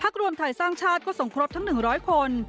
รวมไทยสร้างชาติก็ส่งครบทั้ง๑๐๐คน